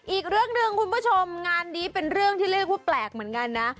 อีกเรื่องหนึ่งคุณผู้ชมงานนี้เป็นเรื่องที่เรียกว่าแปลกเหมือนกันนะ